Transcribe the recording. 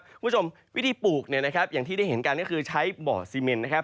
คุณผู้ชมวิธีปลูกเนี่ยนะครับอย่างที่ได้เห็นกันก็คือใช้บ่อซีเมนนะครับ